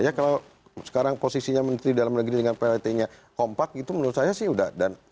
ya kalau sekarang posisinya menteri dalam negeri dengan plt nya kompak itu menurut saya sih udah